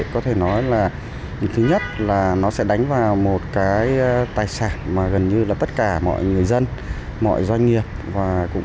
có thể nói là thứ nhất là nó sẽ đánh vào một cái tài sản mà gần như là tất cả mọi người dân